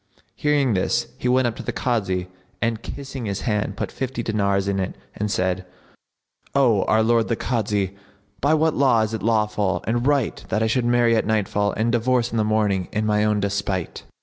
Hearing this he went up to the Kazi; and, kissing his hand, put fifty dinars in it and said, "O our lord the Kazi, by what law is it lawful and right that I should marry at nightfall and divorce in the morning in my own despite?"